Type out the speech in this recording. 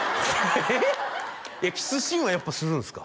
いやキスシーンはやっぱするんですか？